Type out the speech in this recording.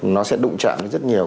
nó sẽ đụng chạm với rất nhiều